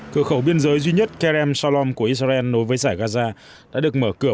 cửa khẩu biên giới duy nhất kerem salom của israel nối với giải gaza đã được mở cửa